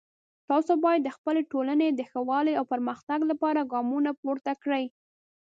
تاسو باید د خپلې ټولنې د ښه والی او پرمختګ لپاره ګامونه پورته کړئ